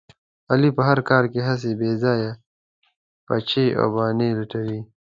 علي په هر کار کې هسې بې ځایه پچې او بهانې لټوي.